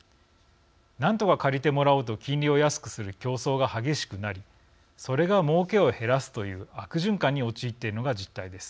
なんとか借りてもらおうと金利を安くする競争が激しくなりそれがもうけを減らすという悪循環に陥っているのが実態です。